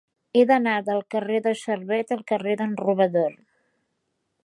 He d'anar del carrer de Servet al carrer d'en Robador.